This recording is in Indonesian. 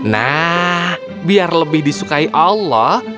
nah biar lebih disukai allah